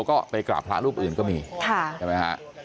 ก็ไปกราบพระรูปอื่นก็มีใช่ไหมฮะ